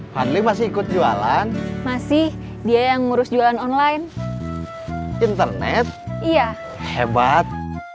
fadli masih ikut jualan masih dia yang ngurus jualan online internet iya hebat